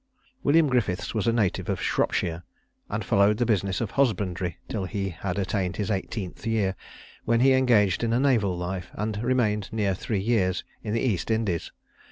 William Griffiths was a native of Shropshire, and followed the business of husbandry till he had attained his eighteenth year, when he engaged in a naval life, and remained near three years in the East Indies.